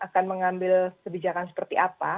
dan mengambil sebijakan seperti apa